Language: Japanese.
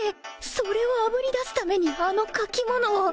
それをあぶり出すためにあの書き物を